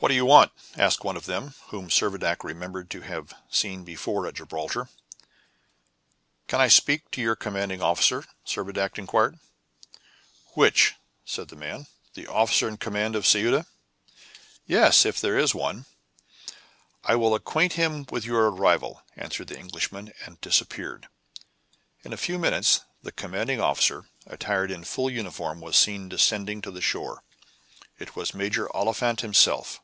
"What do you want?" asked one of them, whom Servadac remembered to have seen before at Gibraltar. "Can I speak to your commanding officer?" Servadac inquired. "Which?" said the man. "The officer in command of Ceuta?" "Yes, if there is one." "I will acquaint him with your arrival," answered the Englishman, and disappeared. In a few minutes the commanding officer, attired in full uniform, was seen descending to the shore. It was Major Oliphant himself.